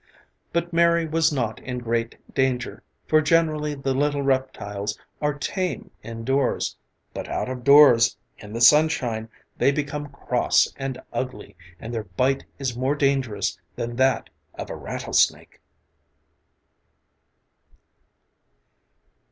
But Mary was not in great danger for generally the little reptiles are tame indoors, but out of doors in the sunshine they become cross and ugly and their bite is more dangerous than that of a rattlesnake.